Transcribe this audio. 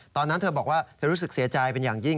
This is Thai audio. ตอนนั้นเธอบอกว่าเธอรู้สึกเสียใจเป็นอย่างยิ่ง